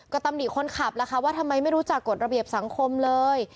ตำหนิคนขับล่ะค่ะว่าทำไมไม่รู้จักกฎระเบียบสังคมเลย